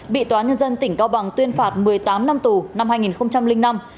bị tòa nhân dân tỉnh cao bằng tuyên phạt một mươi tám năm tù năm hai nghìn năm